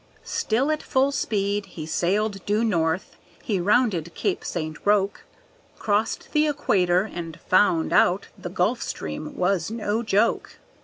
Still at full speed, he sailed due north, he rounded Cape St. Roque, Crossed the equator, and found out the Gulf Stream was no joke.